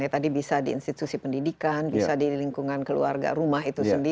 ya tadi bisa di institusi pendidikan bisa di lingkungan keluarga rumah